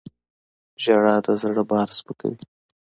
• ژړا د زړه بار سپکوي.